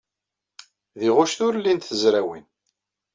Deg Ɣuct ur llint tezrawin.